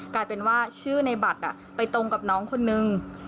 กลายเป็นว่าชื่อในบัตรไปตรงกับน้องคนนึง